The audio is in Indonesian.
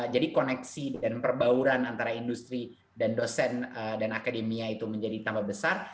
jadi koneksi dan perbauran antara industri dan dosen dan akademia itu menjadi tambah besar